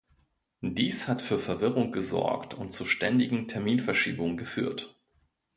Dies hat für Verwirrung gesorgt und zu ständigen Terminverschiebungen geführt.